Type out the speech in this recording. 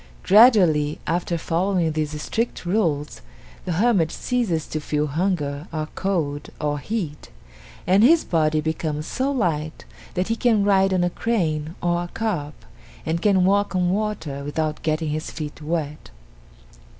Gradually after following these strict rules, the hermit ceases to feel hunger or cold or heat, and his body becomes so light that he can ride on a crane or a carp, and can walk on water without getting his feet wet.